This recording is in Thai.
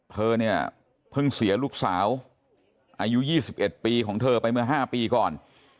เธอเนี่ยเพิ่งเสียลูกสาวอายุ๒๑ปีของเธอไปเมื่อ๕ปีก่อน